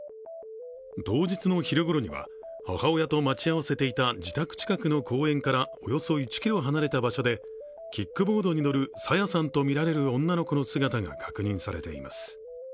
当日の昼頃には母親と待ち合わせていた自宅近くの公園からおよそ１ｋｍ離れた場所で、キックボードに乗る朝芽さんとみられる女の子の姿が確認されています。